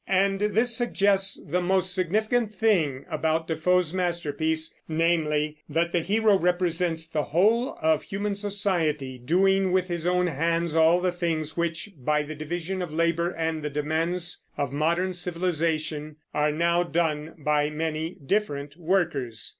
And this suggests the most significant thing about Defoe's masterpiece, namely, that the hero represents the whole of human society, doing with his own hands all the things which, by the division of labor and the demands of modern civilization, are now done by many different workers.